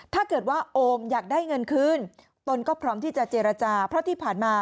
ถ้าเกิดว่าโอมอยากได้เงินคืนตนก็พร้อมที่จะเจรจาเพราะที่ผ่านมา